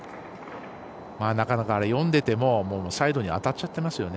なかなか、読んでてもサイドに当たっちゃってますよね。